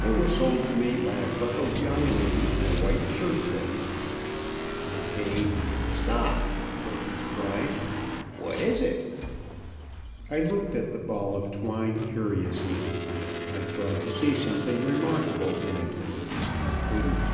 It was sold to me by a freckled young lady in a white shirt waist. I paid " "Stop!" Perkins cried, "what is it?" I looked at the ball of twine curiously. I tried to see something remarkable in it. I couldn't.